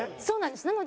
そうなんです。